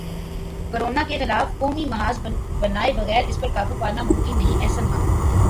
corona کے خلاف قومی محاذ بنائے بغیر اس پر قابو پانا ممکن نہیں احسن خان